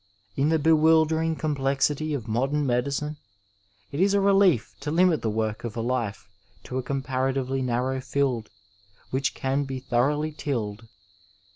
In the bewildering com plexity of modem medicine it is a relief to limit the work of a life to a comparatively narrow field which can be thoroughly tilled.